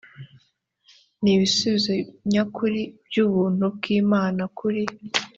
ni ibisubizo nyakuri by ubuntu bw imana kuri